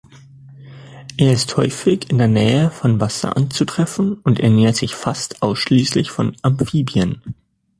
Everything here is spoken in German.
Er ist häufig in der Nähe von Wasser anzutreffen und ernährt sich fast ausschließlich von Amphibien.